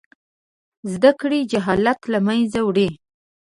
زده کړې جهالت له منځه وړي.